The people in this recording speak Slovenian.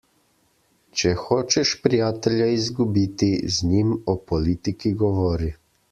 Če hočeš prijatelja izgubiti, z njim o politiki govori.